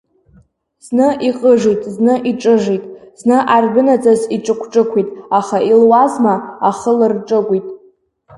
Зны иҟыжит, зны иҿыжит, зны ардәынаҵас иҿықә-ҿықәит, аха илуазма, ахы лырҿыгәит.